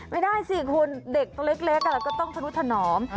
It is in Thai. ไม่ได้สิคุณเด็กตัวเล็กก็ต้องธนุถนอม